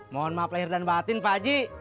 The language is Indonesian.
mohon maaf lahir dan batin pak haji